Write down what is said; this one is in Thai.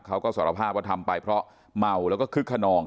เขาก็สารภาพว่าทำไปเพราะเมาแล้วก็คึกขนอง